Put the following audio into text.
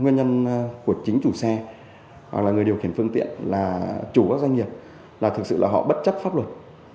nguyên nhân của chính chủ xe hoặc là người điều khiển phương tiện là chủ các doanh nghiệp là thực sự là họ bất chấp pháp luật